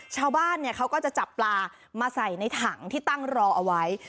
ชาวบ้านเขาก็จะจับปลามาใส่ในถังที่ตั้งรอเอาไว้